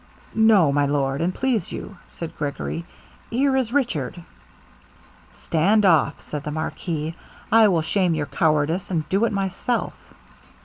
'No, my lord, an' please you,' said Gregory, 'here is Richard.' 'Stand off,' said the marquis, 'I will shame your cowardice, and do it myself.'